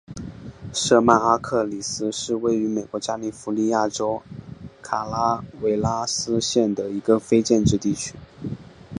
舍曼阿克里斯是位于美国加利福尼亚州卡拉韦拉斯县的一个非建制地区。